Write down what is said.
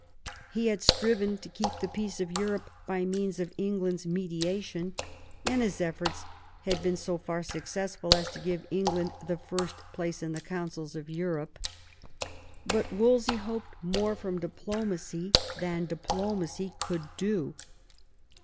He had striven to keep the peace of Europe by means of England's mediation, and his efibrts had been so far successful as to give England the first place in the counsels of Europe. But Wolsey hoped more from diplomacy than diplomacy could do.